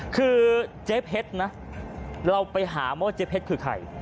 คือเจ๊เพชรนะเราไปหามาว่าเจ๊เพชรคือใคร